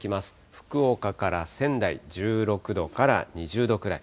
福岡から仙台、１６度から２０度くらい。